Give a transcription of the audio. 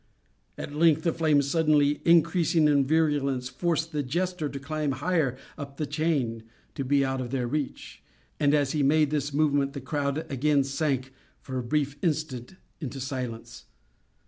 At length the flames, suddenly increasing in virulence, forced the jester to climb higher up the chain, to be out of their reach; and, as he made this movement, the crowd again sank, for a brief instant, into silence.